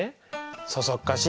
そそっかしい